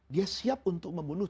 dia siap untuk membunuh